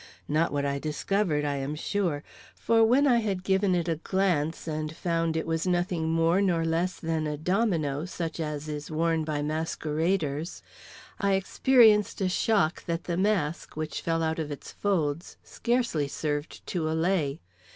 Not what I discovered, I am sure; for when I had given it a glance, and found it was nothing more nor less than a domino, such as is worn by masqueraders, I experienced a shock that the mask, which fell out of its folds, scarcely served to allay.